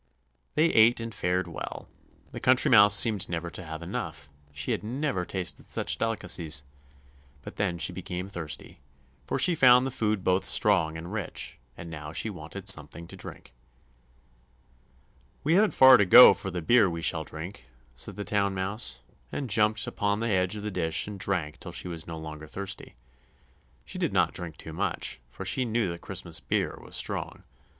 They ate and fared well; the Country Mouse seemed never to have enough; she had never tasted such delicacies. But then she became thirsty, for she found the food both strong and rich, and now she wanted something to drink. "We haven't far to go for the beer we shall drink," said the Town Mouse, and jumped upon the edge of the dish and drank till she was no longer thirsty; she did not drink too much, for she knew the Christmas beer was strong.